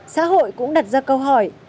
xã hội cũng đặt ra câu hỏi